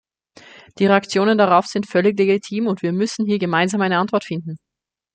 Die Reaktionen darauf sind völlig legitim, und wir müssen hier gemeinsam eine Antwort finden.